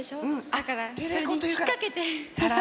だからそれに引っかけて。